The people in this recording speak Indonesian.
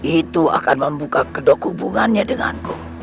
itu akan membuka kedok hubungannya denganku